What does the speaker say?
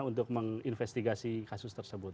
untuk menginvestigasi kasus tersebut